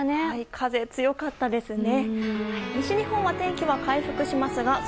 風、強かったですね。